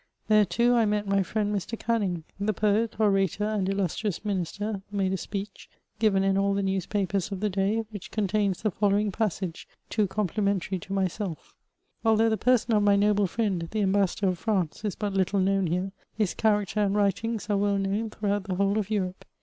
There, too, I met my fiiend Mr. Can ning ; the poet, orator, and illustrious minister, made a speech, given in all the newspapera of the day, which contains the fol lowing passage, too complimentary to myself: — "Although the person of my noble friend, the Ambassador of France, is but Htde known here, his character and writings are well known throughout the whole of Europe.